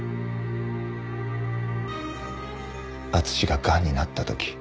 敦ががんになった時。